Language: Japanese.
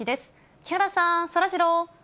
木原さん、そらジロー。